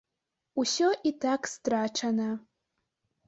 Усё і так страчана.